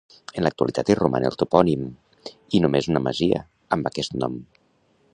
En l'actualitat hi roman el topònim, i només una masia, amb aquest nom.